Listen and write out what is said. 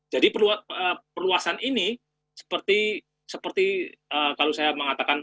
jadi perluasan ini seperti kalau saya mengatakan